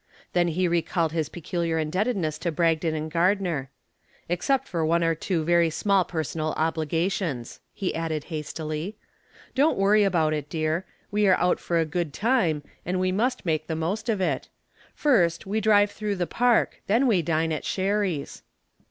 Then he recalled his peculiar indebtedness to Bragdon and Gardner. "Except one or two very small personal obligations," he added, hastily. "Don't worry about it, dear, we are out for a good time and we must make the most of it. First, we drive through the Park, then we dine at Sherry's."